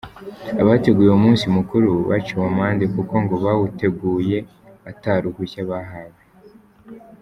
Abateguye uwo munsi mukuru baciwe amande kuko ngo bawuteguye ata ruhusha bahawe.